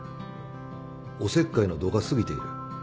おせっかいの度が過ぎている。